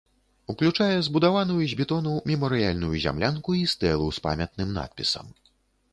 Уключае збудаваную з бетону мемарыяльную зямлянку і стэлу з памятным надпісам.